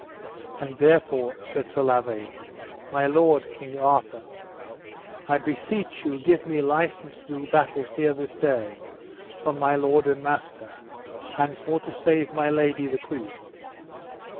And therefore, said Sir Lavaine, my lord, King Arthur, I beseech you give me license to do battle here this day for my lord and master, and for to save my lady, the queen.